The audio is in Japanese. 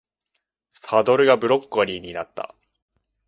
サドルがブロッコリーになってた